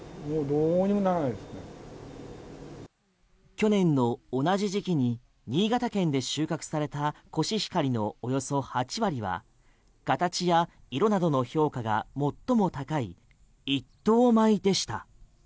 去年の同じ時期に新潟県で収穫されたコシヒカリのおよそ８割は形や色などの評価が最も高い一等米でした。